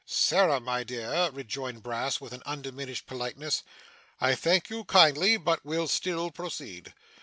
'Sarah, my dear,' rejoined Brass with undiminished politeness, 'I thank you kindly, but will still proceed.